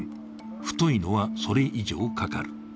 太いのは、それ以上かかる。